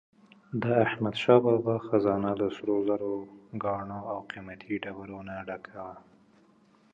د احمدشاه بابا خزانه له سروزرو، ګاڼو او قیمتي ډبرو نه ډکه وه.